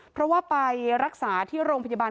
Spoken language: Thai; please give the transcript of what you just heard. เพราะว่าไปรักษาที่โรงพยาบาล